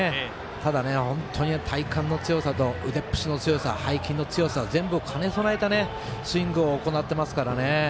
ただ、本当に体幹の強さと腕っぷしの強さ背筋の強さ、全部兼ね備えたスイングを行っていますからね。